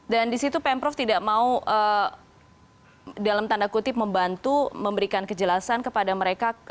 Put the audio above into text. dan di situ pemprov tidak mau dalam tanda kutip membantu memberikan kejelasan kepada mereka